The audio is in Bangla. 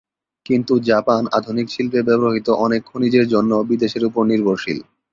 কিন্তু জাপান আধুনিক শিল্পে ব্যবহৃত অনেক খনিজের জন্য বিদেশের উপর নির্ভরশীল।